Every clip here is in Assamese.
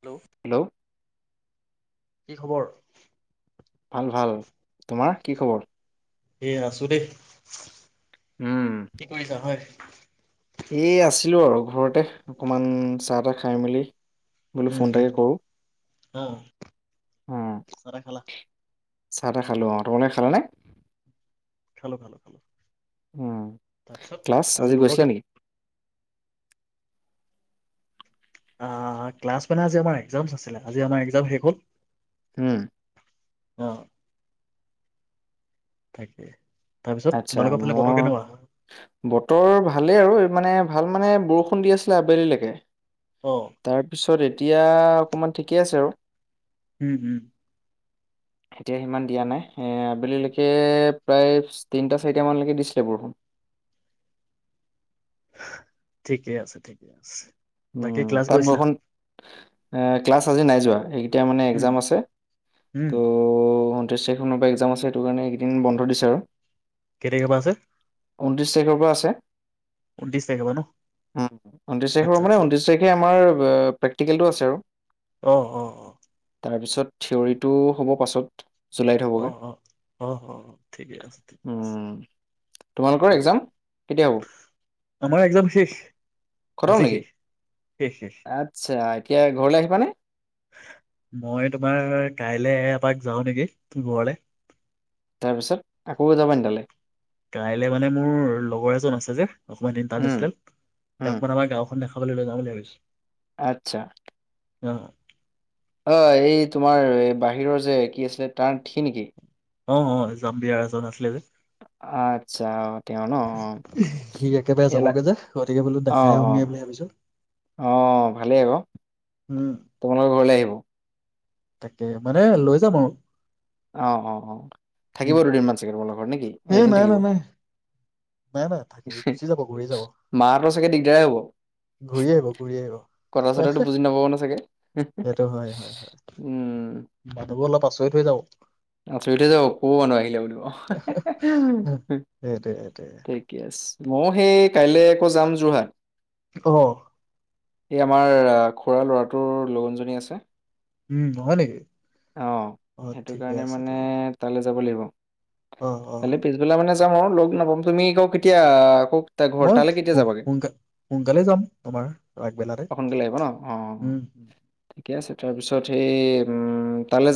হেল্ল' কি খবৰ ভাল ভাল তোমাৰ কি খবৰ এ আছো দেই উম কি কৰিছা হয় এই আছিলো আৰু ঘৰতে অকমান চাহ তাহ খাই মেলি বোলো উম ফোন উম এটাকে কৰো অ উম চাৰ খালা চাহ তাহ খালো অ তোমালোকে খালাানে খালো, খালো, খালো। ক্লাছ তাৰপিছত আজি বতৰ গৈছিলা নেকি আ, ক্লাছ মানে আজি আমাৰ একজাম আছিলে আজি আমাৰ একজাম শেষ হ'ল। হম। আহ। তাকে। তাৰপিছত আচ্ছা তোমালোকৰ ফালে বতৰ মোৰ কেনেকুৱা বতৰ ভালেই আৰু মানে ভাল মানে বৰষুণ দি আছিলে আবেলি লৈকে। অ তাৰপিছত এতিয়া অকণমান ঠিকে আছে আৰু। হম, হম। [inaudible] এতিয়া সিমান দিয়া নাই এ আবেলিলৈকে প্ৰায় তিনটা চাৰিটা মানলৈকে দিছিলে বৰষুণ। [unintelligible] ঠিকেই আছে! ঠিকেই আছে। বাকী উম, ক্লাছ তাত গৈছিলা বৰষ এ ক্লাছ আজি নাই যোৱা এই এতিয়া মানে উম এক্জাম আছে উম ত' তেইচ তাৰিখ মানৰ পৰা একজাম আছে সেইটো কাৰণে এইকেদিন বন্ধ দিছে আৰু। কেই তাৰিখৰ পা আছে? ঊনত্ৰিশ তাৰিখৰ পৰা আছে ঊনত্ৰিশ তাৰিখৰ পৰা ন উম ঊনত্ৰিশ আচ্ছা তাৰিখৰ মানে আচ্ছা ঊনত্ৰিশ তাৰিখে আমাৰ প্ৰেকট্ৰিকেলটো আছে আৰু। আহ, অ' অ'। তাৰপিছত থিয়ৰীটো হ'ব পাছত জুলাইত অ হ'বগৈ! অ অ অ ঠিকে আছে ঠিকে আছে উম। তোমালোকৰ একজাম কেতিয়া হ'ব? আমাৰ একজাম শেষ খতম আজি নেকি শেষ। শেষ শেষ আচ্ছা এতিয়া ঘৰলে আহিবানে? মই তোমাৰ কাইলৈ এপাক যাও নেকি ঘৰলে। তাৰ পিছত আকৌ যাব নি তালে? কাইলে মানে মোৰ লগৰ এজন আছে যে অকমান উম, ইন্টাৰনেচনেল উম, তেওঁক মানে আমাৰ গাওঁখন দেখা দেখাবলৈ লৈ যাওঁ বুলি ভাবিছো। আচ্ছা। অ'। অ', এই তোমাৰ বাহিৰৰ যে কি আছিলে তাৰ থ্ৰি নেকি? অ', অ' [unintelligible] এজন আছিলে যে। আত্ছা। সি একেবাৰে যাবগে যে গতিকে বোলো অ দেখাই অ আহোগে বুলি ভাবিছো। অ', ভালেই আক', উম তোমালোকৰ ঘৰলে আহিব? তাকে মানে লৈ যাম আৰু। অ', অ', অ' উম থাকিব দুদিনমান চাগে তোমাৰ লগ ঘৰত নেকি এই এদিন নাই নাই থাকিব! নাই নাই নাই থাকি গুচি যাব ঘূৰি যাব মাহতৰ চাগে দিগদাৰে হ'ব। ঘূৰি আহিব ঘূৰি আহিব কথা চথাটো বুজি নাপাব ন চাগে। সেইটো হয় হয় হয় উম। মানুহবোৰ অলপ আচৰিত হৈ যাব। আছৰিত হৈ যাব ক'ৰ পা মানুহ আহিলে বুলি ক'ব। সেইটোৱে সেইটোৱে থিকে আছে মই সেই কাইলৈ আকৌ যাম যোৰহাট। আহ। এই আমাৰ খুৰা ল'ৰাটোৰ লগোন জুৰনী আছে। উম, হয় নেকি? অ', সেইটো ঠিকে কাৰণে আছে মানে ঠিকে আছে তালৈ যাব লাগিব। অ অ তালৈ পিছবেলা মানে যাম আৰু লগ নাপাম তুমি আ কেতিয়া আকৌ ঘৰ মই তালৈ কেতিয়া যাবাগে? সোনকাল সোনকালে যাম তোমাৰ। আগবেলাতে অ', সোনকালে আহিব ন অ'। উম ঠিকে আছে তাৰপিছত সেই তালৈ,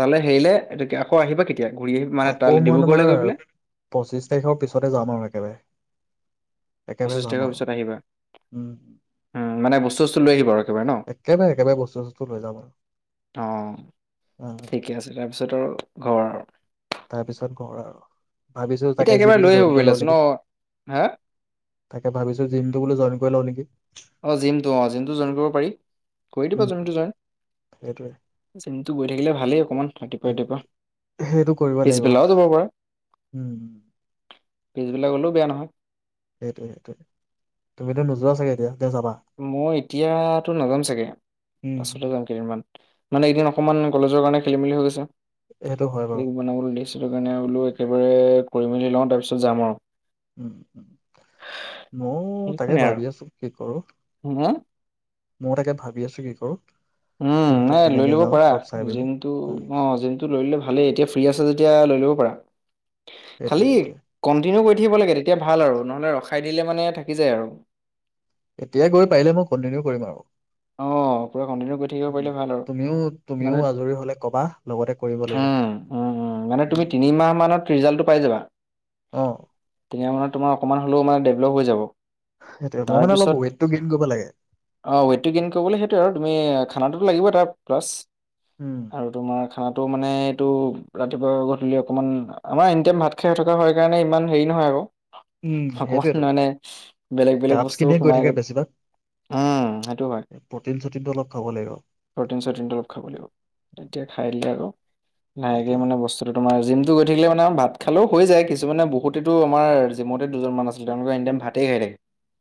তালৈ হেৰিলে আকৌ আহিবা কেতিয়া? ঘূৰি আহি মানে আকৌ তালৈ মই ডিব্ৰুগড়লৈ তোমাৰ গৈ পেলাই পঁচিশ তাৰিখৰ পিছতে যাম আৰু একেবাৰে। একেবাৰে পঁচিশ যাম তাৰিখৰ আৰু পিছত আহিবা উম, উম, মানে বস্তু চস্তু লৈ আহিব আৰু। একেবাৰে ন একেবাৰে একেবাৰে বস্তু চস্তু লৈ যাম আৰু। অ', অ ঠিকে আছে তাৰপিছত আৰু ঘৰ আৰু। তাৰ পিছত কৰ আৰু ভাবিছো এতিয়া তাকে একেবাৰে জিমটো লৈ আহিব জইন কৰি পাৰিলা লওঁ ন নেকি। হা তাকে ভাবিছো জিমটো বোলো জইন কৰি লওঁ নেকি। অ', জমটো অ', জিমটো জইন কৰিব পাৰি, কৰি দিবা উম জিমটো জইন। সেইটোৱে তো গৈ থাকিল ভালেই অকমান উম, ৰাতিপুৱা, ৰাতিপুৱা সেইটো কৰিব লাগিব পিছবেলাও যাব পাৰা। উম পিছবিলাক গ'লেও বেয়া নহয়। সেইটো সেইটো তুমিতো নোযোৱা চাগে এতিয়া। এতিয়া যাবা মই এতিয়াতো নাযাম চাগে, উম, পাছলৈ যাম কেইদিনমান। মানে এদিন অকমান কলেজৰ কাৰণে খেলি মেলি হৈ গৈছে। সেইটো হয় বাৰু বনাবলৈ দিছিল কাৰণে বোলো একেবাৰে কৰি মেলি লওঁ তাৰপিছত যাম আৰু। উম, উম ময়ো তাকে ভাবি আছো কি ক হম হম। মই তাকে ভাবি আছো কি কৰো। উম, কোনটোত নাই লৈ কেনেকে ল'ব যাওঁ পাৰা চব চাই পিনি জমটো কোনটো অ জিমটো লৈ ললে ভালেই এতিয়া ফ্ৰী আছে যদি এতিয়া লৈ ল'ব পাৰা সেইটোৱে খালি সেইটোৱে ক'ন্টিনিউ কৰি উঠিব লাগে তেতিয়া ভাল আৰু নহ'লে ৰখাই দিলে মানে থাকি যায় আৰু। এতিয়া গৈ পাৰিলে মই কণ্টিনিউ কৰিম আৰু। অ'। পুৰা কন্টিনিউ কৰি থাকিব উম পাৰিলে ভাল আৰু তুমিও তুমিও মানে, আজৰি হলে কবা লগতে কৰিব লাগিব উম উম। উম, মানে তুমি তিনিমাহ মানত ৰিজাল্টটো পাই যাবা, অ তিনিমাহ মানত তোমাৰ অকমান হ'লেও মান ডেভলপ হৈ যাব। সেইটোে মই মানে অলপ তাৰপিছত ৱেইটটো গেইন কৰিব লাগে। স কিন কৰিবলে সেইটো আৰু তুমি খানটো লাগিব তাৰ প্লাছ উম আৰু তোমাৰ খানাটো মানে এইটো ৰাতিপুৱা গধূলি অকণমান আমাৰ এনিটাইম ভাত খাই থকা হয় কাৰণে ইমান হেৰি নহয় আৰু। উম অকমান সেইটোৱেতো মানে বেলেগ, বেলেগ কাপচ বস্তুোৰ খিনিয়ে গৈ সোমাই থাকে বেছিভাগ উম। প্ৰটিন চটিনটো অলপ খাব লাগিব প্ৰ'টিন চটিনটো অলপ খাব লাগিব, তেতিয়া খাই দিলে আকৌ লাহেকে সেইটোৱে মানে বস্তুতটো তোমাৰ জিম গৈ থাকিলে মানে আৰু ভাত খালেও হৈ যায় কিছুমান বহুতেতো আমাৰ জিমতে দুজনমান আছিলে তেওঁলোকে এনিটাইম ভাতেই খাই থাকে।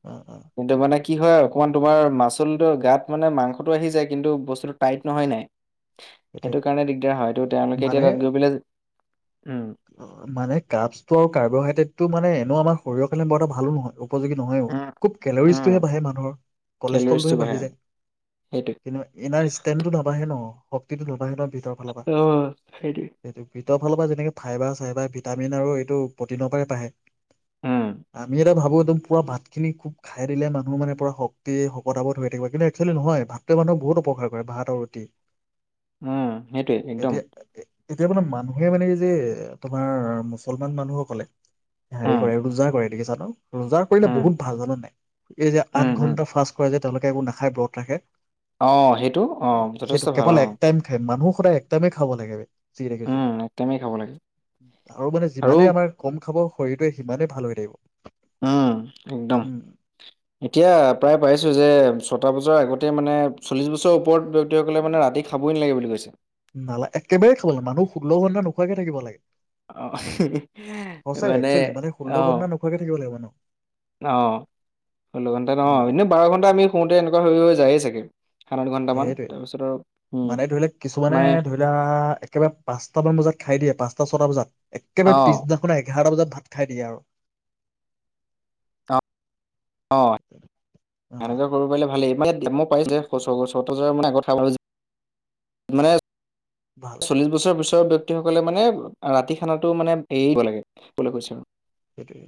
উম, উম। কিন্তু মানে কি হয় অকমান তোমাৰ মাচ'ল টো গাত মানে মাংসটো আহি যায় কিন্তু বস্তুটো টাইট নহৈ হৈ নাই। সেইটোৱে সেইটো কাৰণে দিগদাৰ হয়টো তেওঁলোকে এতিয়া তাত গৈ পেলাই উম অ', মানে কাপ ছ আৰু কাৰ্বহাইড্ৰেটটো মানে এনেও আমাৰ শৰীৰৰ কাৰণে বৰ এটা ভালো নহ'ব। উপযোগী নহয়ওঁ উম খুব উম কেলৰিজটোহে বাঢ়ে মানুহৰ, কেলৰিজটো কলেষ্ট্ৰলটোহে বাঢ়ে বাঢ়ি যায়। সেইটোৱে। কিন্তু এনাৰ ষ্টেণ্ডটো নাবাহে ন' শক্তিটো নবাহে ন'। ভিতৰৰ অ', সেইটোৱে। ফেটচৰ ফালৰ পৰা যেনেকে ফাইবাৰ চাইবাৰ ভিটামিন আৰু এইটো প্ৰটিনৰ পৰাই বাঢ়ে। উম, আমি এইটো ভাবো একদম পুৰা ভাত খিনি খুব খাই দিলে মানুহ পুৰা মানে শক্তি শকত আবদ হৈ থাকিব কিন্তু একচুৱেলি নহয় ভাত টোৱে মানুহ বহুত উপকাৰ কৰে ভাত আৰু ৰুটি। উম, সেইটোৱে একদম এতিয়া, এতিয়া মানে মানুহে মানে যে তোমাৰ মুছলমান মানুহসকলে হেৰি উম, কৰে ৰোজা কৰে দেখিছা ন'। ৰজাৰ কৰিলে উম, বহুত ভাল জানো নাই এই যে উম, আঠ উম। ঘণ্টা ফাৰ্ষ্ট কৰে যে তেওঁলোকে একো নাখাই ব্ৰত ৰাখে। অ', সেইটো অ', যথেষ্ট সেইটো ভাল কেৱল অ', এক টাইম খাই মানুহ সদায় এক টাইমে খাব লাগে যি দেখিছো। তুমিও খাব লাগিব। আৰু মানে যিমানে আমাৰ কম খাব শৰীৰটোৱে সিমানে ভাল হৈ থাকিব। উম, একদম উম এতিয়া প্ৰায় পাইছো যে ছটা বজাত বছৰ আগতে মানে চল্লিশ বছৰৰ ওপৰত ব্যক্তসকলে মানে ৰাতি খাবই নালাগে বুলি কৈছে। নালাগে একেবাৰে খাব লাগে মানুহ ষোল্ল ঘণ্টা নোখোৱাকে থাকিব লাগে। অ', সচাই একচুৱেলি মানে ষোল্ল ঘণ্টা অ', মান নোখোৱাকে থাকিব লাগে মানুহে। অ', ষোল্ল ঘণ্টা ন। অ এ বাৰ ঘণ্টা আমি শোওঁতে এনেকুৱা হৈ, হৈ যায়েই চাগে। দুঘণ্টামান সেইটোৱে তাৰপিছত আৰু উম, মানে ধৰি লোৱা কিছুমানে মানে ধৰি লোৱা একেবাৰে পাঁচটামান বজাত খাই দিয়ে। পাঁচটা ছটা বজাত। একেবাৰে অ', পিছদিনাখনে এঘাৰটা বজাত ভাত খাই দিয়ে আৰু। অ সেনেকোৱা কৰিব পাৰিলে ভালেই। মানে দামো পাই যে মানে কথা মানে ভাল ভাল চল্লিশ বছৰ পিছৰ বেয়ক্তী সকলে মানে ৰাতি খানাটো মানে এৰি দিব লাগে। বুলি কৈছে আৰু। সেইটোএই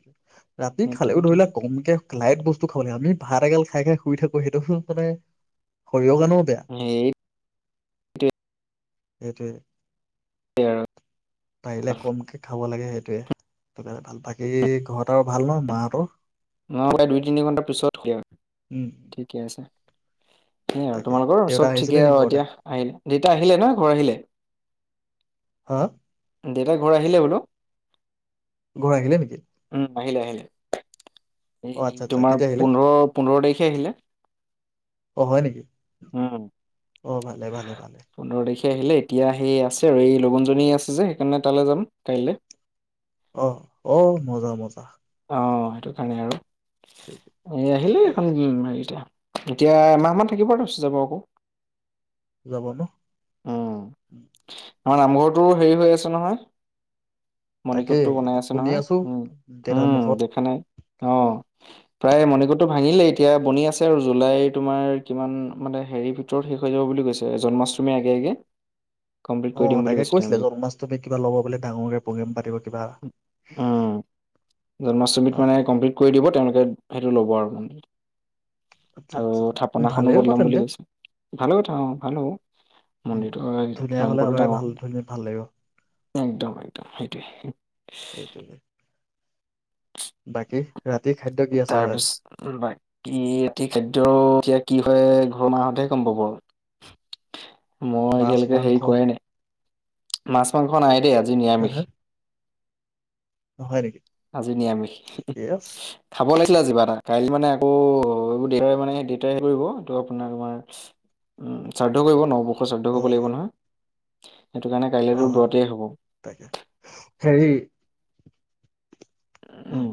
ৰাতি মৃত্যু খালেও ধৰি লোৱা কমকে লাইট বস্তু খাব লাগে আমি। ভাত এগাল খাই, খাই শুই থাকো। সেইটো মানে শৰীৰৰ কাৰণেও বেয়া। সেইটোৱে এইটোৱে, আৰু পাৰিলে কমকে খাবা। হব লাগে সেইটোয়ে। বাদ -বাকী ঘৰত আৰু ভাল নহ মা হঁতৰ। নহৈ প্ৰায় দুই তিনি ঘন্টাৰ পিছত খুলিম। উম ঠিকে আছে। সেইয়া ই আৰু তাকে তোমালোকৰ দেউতা চব আহিছিলে ঠিকে নেকি ঘৰলে? এতিয়া আহিলে দেতা আহিলে নহ ঘৰ আহিলে। হা? দেউতা ঘৰ আহিলে বোলো। ঘৰ আহিলে নেকি। উম, আহিলে, আহিলে এই অ আচ্ছা আচ্ছা তোমাৰ কেতিয়া আহিলে? পোন্ধৰ পোন্ধৰ তাৰিখে আহিলে। উম। অহ, ভালে, ভালে, ভালে। সি আহিলে এতিয়া। সেই আছে আৰু এই লগুণ -দানি আছে যে। সেইকাৰণে তালৈ যাম কাইলৈ। অ, অ, মজা, মজা। অ, সেইটো কাৰণে আৰু। ঠিক এই আহিলে ঠিকে এইখন আছে উ, এতিয়া। এতিয়া এমাহমান থাকিব ত যাব আকৌ। যাব ন? উম আমাৰ নামঘৰটো হেৰি হৈ আছে নহয়। তাকেই মণিকোটটো বনাই আছে শুনি নহয় আছো উম দেউতাৰ উম মুখত দেখা নাই অ। প্ৰায় মণিকোটটো ভাঙিলেই এতিয়া বনি আছে আৰু জুলাই তোমাৰ কিমান মানে হেৰিৰ ভিতৰত শেষ হৈ যাব বুলি। কৈছে জন্মাষ্টমীৰ আগে আগে। কমপ্লিট কৰি দিম অ', বুলি তাকে কৈছে কৈছিলে তেওঁলোকে জন্মাষ্টমী কিবা ল'ব বোলে ডাঙৰকে প্ৰগ্ৰেম পাতিব কিবা। উম জন্মাষ্টমীত অ মানে অ কমপ্লিট কৰি দিব তেওঁলোকে। সেইটো ল'ব আৰু মানে। আচ্ছা আৰু আচ্ছা থাপনাখনো ভালেই হ'ব বদলম বুলি তেন্তে কৈছো ভালো কথা অ ভাল হ'ব। উম মন্দিৰটো ধুনীয়া হ'লে নামঘটো আমাৰ ভাল ধুনীয়া ভাল লাগিব ডাঙৰ। একদম একদম সেইটোৱে। সেইটোৱে বাকী? ৰাতিৰ খাদ্য কি আছে তাৰ হয় পিছত বাকী ৰা খাদ্য এতিয়া কি? ঘৰ মাহতহে গম পাব আৰু মই মাছ এতিালৈকে মাংস হেৰি কৰে নাই মাছ মাংস নাই দিয় ই। আজি নিৰামিষ। অ', হয় নেকি? আজি নিৰামিষ। ঠিকে আছে খাব লাগিছিলে কিবা এটা কাইলৈ মানে আকৌ এইবোৰ দেটাই মানে দেটাই হৰি কৰিব ত আপোনাৰ তোমাৰ উ শ্ৰাদ্ধ কৰিব ন বৰ্ষ শ্ৰাদ্ধ অ কৰিব লাগিব নহয়। সেইটো কাৰণে অ কাইলেতো দূৰতেই হব তাকে হেৰি অ উম